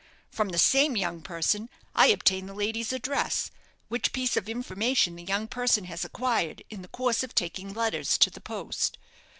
From the same young person I obtain the lady's address which piece of information the young person has acquired in the course of taking letters to the post.